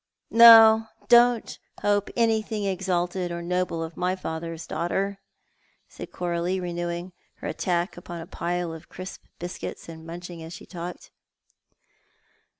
" Don't hope anything exalted or noble of my father's daughter," said Coralie, renewing her attack upon a pile of crisp biscuits, and munching as she talked.